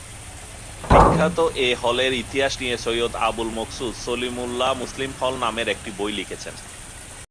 বিখ্যাত এই হলের ইতিহাস নিয়ে সৈয়দ আবুল মকসুদ "সলিমুল্লাহ মুসলিম হল" নামের একটি বই লিখেছেন।